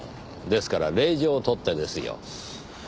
ですから令状を取ってですよ。